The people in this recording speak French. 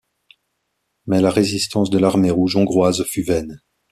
Mais la résistance de l'armée rouge hongroise fut vaine.